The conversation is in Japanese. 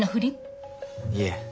いえ。